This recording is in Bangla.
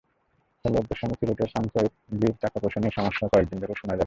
খেলোয়াড়দের সঙ্গে সিলেটের ফ্র্যাঞ্চাইজির টাকা-পয়সা নিয়ে সমস্যা কদিন ধরেই শোনা যাচ্ছে।